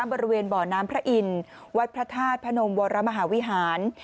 บริเวณบ่อน้ำพระอินทร์วัดพระธาตุพระนมวรมหาวิหาร